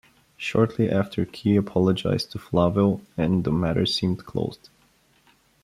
Shortly afterward Key apologised to Flavell, and the matter seemed closed.